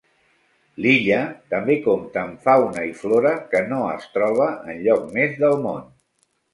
L'illa també compta amb fauna i flora que no es troba enlloc més del món.